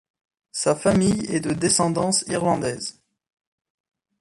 Sa famille est de descendance irlandaise.